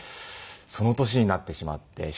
その年になってしまって。